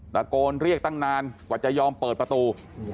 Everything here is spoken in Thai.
ตะโกนเรียกตั้งนานกว่าจะยอมเปิดประตู